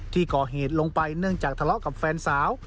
ที่ก่อเหตุลงไปเนื่องจากทะเลาะกับแฟนสาว